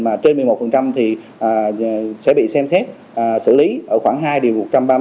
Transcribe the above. mà trên một mươi một thì sẽ bị xem xét xử lý ở khoảng hai điều một trăm ba mươi